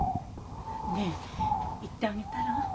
ねえ行ってあげたら？